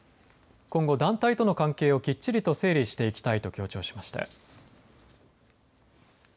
今後、団体との関係をきっちりと整理していきたいと強調しました。